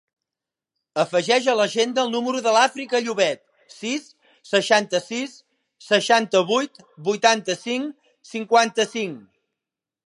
Afegeix a l'agenda el número de l'Àfrica Llobet: sis, seixanta-sis, seixanta-vuit, vuitanta-cinc, cinquanta-cinc.